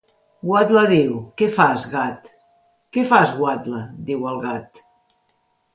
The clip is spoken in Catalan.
Guatla diu: —Què fas, gat? —Què fas guatla? Diu el gat!